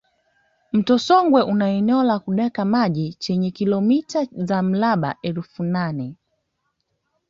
Mto Songwe una eneo la kidaka maji chenye kilomita za mraba elfu nne